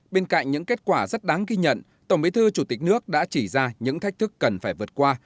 bên cạnh những kết quả rất đáng ghi nhận tổng bí thư chủ tịch nước đã chỉ ra những thách thức cần phải vượt qua